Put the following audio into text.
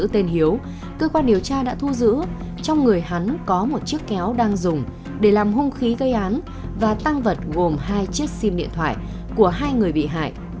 tên hiếu cơ quan điều tra đã thu giữ trong người hắn có một chiếc kéo đang dùng để làm hung khí gây án và tăng vật gồm hai chiếc sim điện thoại của hai người bị hại